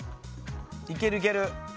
いけるいける。